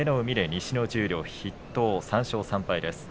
西の十両筆頭、３勝３敗です。